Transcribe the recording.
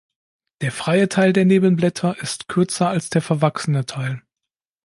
Der freie Teil der Nebenblätter ist kürzer als der verwachsene Teil.